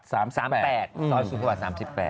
ซอยสุกสวัส๓๘